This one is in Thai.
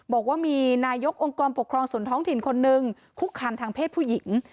บอกว่ามีนายกองค์กรปกครองส่วนท้องถิ่นคนนึงคุกคามทางเพศผู้หญิง